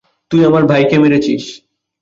তুই আমার ভাইকে মেরেছিস।